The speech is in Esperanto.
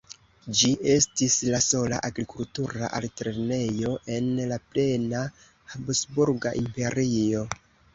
Ĝi estis la sola agrikultura altlernejo en la plena Habsburga Imperio.